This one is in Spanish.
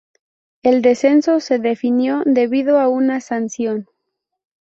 El descenso se definió debido a una sanción.